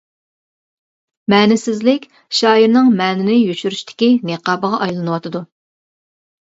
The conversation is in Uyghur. مەنىسىزلىك شائىرنىڭ مەنىنى يوشۇرۇشتىكى نىقابىغا ئايلىنىۋاتىدۇ.